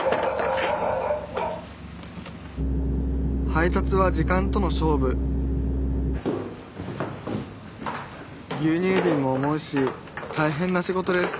配達は時間との勝負牛乳ビンも重いし大変な仕事です